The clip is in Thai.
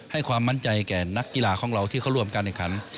ให้ความมั่นใจแก่นักกีฬาของเราที่เขาร่วมกันในขั้น